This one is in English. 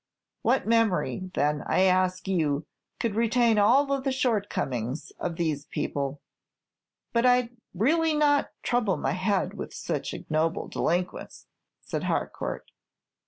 What memory, then, I ask you, could retain all the shortcomings of these people?" "But I 'd really not trouble my head with such ignoble delinquents," said Harcourt.